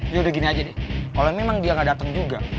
yaudah gini aja deh kalo memang dia gak dateng juga